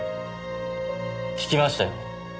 聞きましたよ。